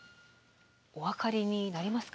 お分かりになりますか？